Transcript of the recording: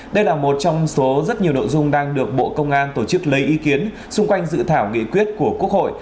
đây là một trong số rất nhiều nội dung đang được bộ công an tổ chức lấy ý kiến xung quanh dự thảo nghị quyết của quốc hội